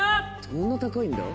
そんな高いんだ。